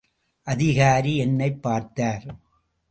அதிகாரி என்னைப் பார்த்தார்.